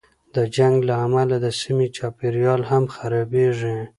د جنګ له امله د سیمې چاپېریال هم خرابېږي.